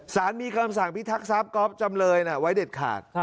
สารมีกรรมสารพิทักษ์ทรัพย์จำเลยไว้เด็ดขาด